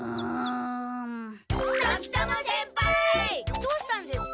どうしたんですか？